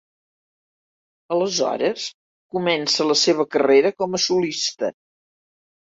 Aleshores comença la seva carrera com a solista.